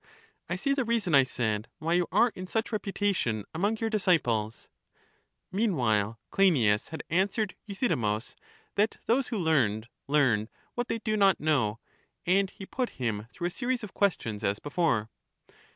I see the reason, I said, why you are in such reputa tion among your disciples. Meanwhile Cleinias had answered Euthydemus that those who learned learn what they do not know; and he put him through a series of questions as before.